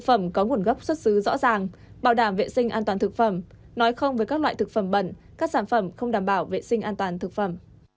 em không biết tên người thuê em